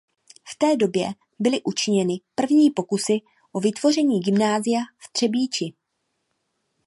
V té době byly učiněny první pokusy o vytvoření gymnázia v Třebíči.